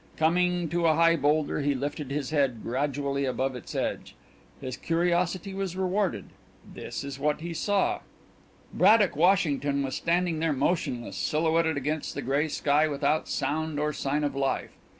Coming to a high boulder, he lifted his head gradually above its edge. His curiosity was rewarded; this is what he saw: Braddock Washington was standing there motionless, silhouetted against the gray sky without sound or sign of life.